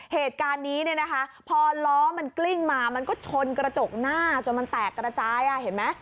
เหตุการณ์นี้เนี่ยนะคะพอล้อมันกลิ้งมามันก็ชนกระจกหน้าจนมันแตกระจายเห็นไหม